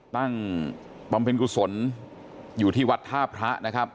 บำเพ็ญกุศลอยู่ที่วัดท่าพระนะครับ